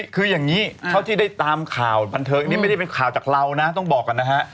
คืออย่างนี้เท่าที่ได้ตามข่าวบันเทิงนี้ไม่ได้เป็นข่าวจากเรานะต้องบอกกันนะฮะ